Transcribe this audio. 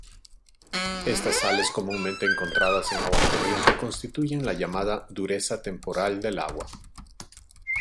Estas sales comúnmente encontradas en agua corriente constituyen la llamada "dureza temporal" del agua.